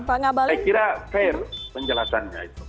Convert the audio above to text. saya kira fair penjelasannya itu